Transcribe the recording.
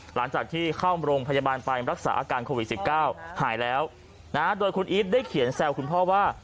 หลังจากที่เข้าโรงพยาบาลไปรักษาอาการโควิด๑๙หายแล้วนะโดยคุณอีทได้เขียนแซวคุณพ่อว่า